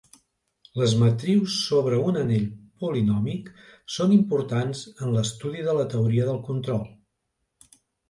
Les matrius sobre un anell polinòmic són importants en l'estudi de la teoria del control.